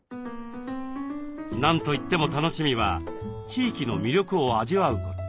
何といっても楽しみは地域の魅力を味わうこと。